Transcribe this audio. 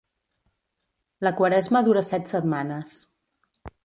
La Quaresma dura set setmanes.